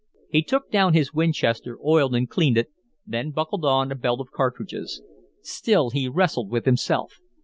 He took down his Winchester, oiled and cleaned it, then buckled on a belt of cartridges. Still he wrestled with himself.